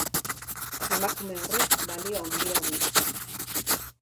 Emakume horrek balio haundia du